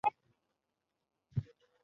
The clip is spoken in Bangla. তুমি যেতে চাও, পার্সেন?